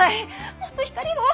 もっと光を！